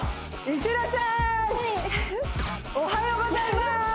おはようございます！